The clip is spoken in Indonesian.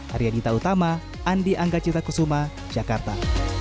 hari adita utama andi anggacita kusuma jakarta